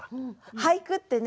俳句ってね